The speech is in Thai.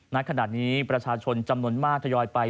ณขณะนี้ประชาชนจำนวนมากทยอยไป